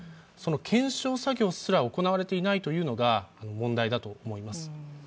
検証作業すら行われていないというのが問題だと思います。